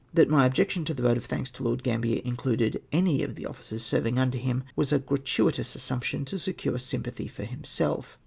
That my objection to the vote of thanks to Lord Gambler included any of the officers serving under him was a gratuitous assumption to secure sympathy for himself.